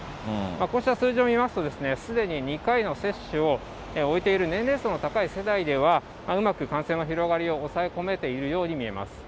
こうした数字を見ますと、すでに２回の接種を終えている年齢層の高い世代では、うまく感染の広がりを抑え込めているように見えます。